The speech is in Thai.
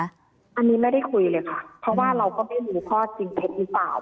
อันนี้ไม่ได้คุยเลยค่ะเพราะว่าเราก็ไม่รู้ข้อจริงเท็จหรือเปล่า